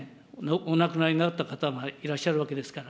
お亡くなりになった方もいらっしゃるわけですから。